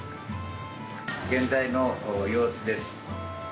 現在の様子です。